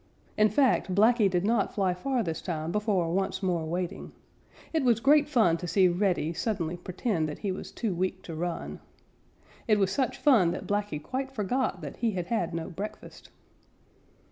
In fact, Blacky did not fly far this time before once more waiting. It was great fun to see Reddy suddenly pretend that he was too weak to run. It was such fun that Blacky quite forgot that he had had no breakfast.